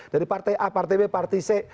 dari partai a partai b partai c